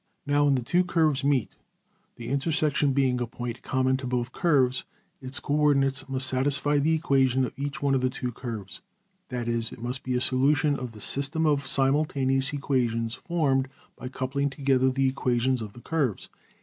Now, when two curves meet, the intersection being a point common to both curves, its coordinates must satisfy the equation of each one of the two curves; \DPPageSep{101.png}% that is, it must be a solution of the system of simultaneous equations formed by coupling together the equations of the curves.